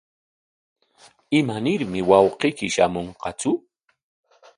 ¿Imanarmi wawqiyki shamunqatsu?